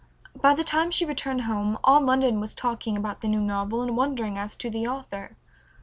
By the time she returned home all London was talking about the new novel and wondering as to the author.